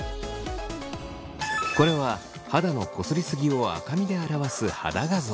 これは肌のこすりすぎを赤みで表す肌画像。